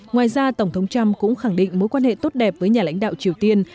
ngoài ra tổng thống trump cũng khẳng định mối quan hệ tốt đẹp với nhà lãnh đạo triều tiên